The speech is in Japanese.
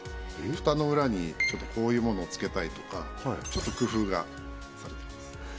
蓋の裏にこういうものをつけたいとかちょっと工夫がされてます